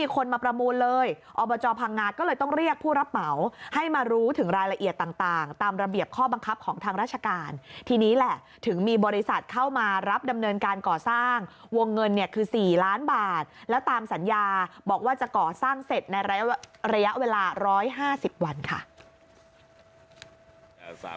ของทางราชการทีนี้แหละถึงมีบริษัทเข้ามารับดำเนินการก่อสร้างวงเงินเนี่ยคือ๔ล้านบาทแล้วตามสัญญาบอกว่าจะก่อสร้างเสร็จในระยะเวลา๑๕๐วันค่ะ